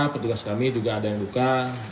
petugas kami juga ada yang buka